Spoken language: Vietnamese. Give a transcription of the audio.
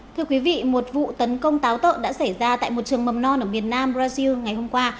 thưa quý vị một vụ tấn công táo tợn đã xảy ra tại một trường mầm non ở miền nam brazil ngày hôm qua